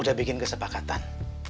udah bikin kesepakatan